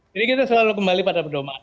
jadi kita selalu kembali pada perdomaan